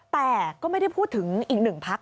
แต่ก็ไม่ได้พูดถึงอีกหนึ่งพัก